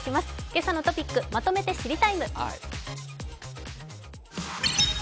「けさのトピックまとめて知りＴＩＭＥ，」。